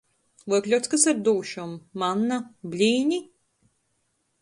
Voi kļockys ar dūšom, manna, blīni?